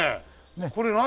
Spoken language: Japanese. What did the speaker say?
これ何？